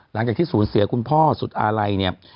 หลังจากที่ศูนย์เสียคุณพ่อสุดอาลัยเนี่ย